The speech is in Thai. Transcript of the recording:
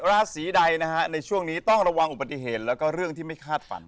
ราศีใดนะฮะในช่วงนี้ต้องระวังอุบัติเหตุแล้วก็เรื่องที่ไม่คาดฝัน